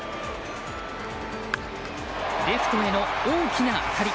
レフトへの大きな当たり。